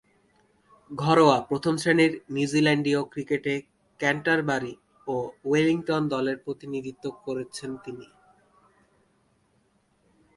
ঘরোয়া প্রথম-শ্রেণীর নিউজিল্যান্ডীয় ক্রিকেটে ক্যান্টারবারি ও ওয়েলিংটন দলের প্রতিনিধিত্ব করেছেন তিনি।